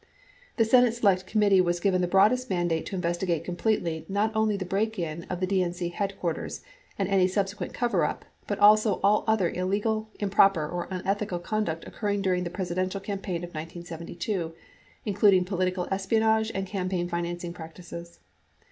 The Senate Select Committee was given the broadest mandate to investigate completely not only the break in of the DNC headquarters and any subsequent coverup, but also all other illegal, improper, or unethical conduct occurring during the Presidential campaign of 1972, including political espionage and campaign financing practices.